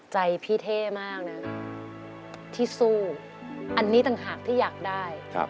ใจพี่เท่มากนะที่สู้อันนี้ต่างหากที่อยากได้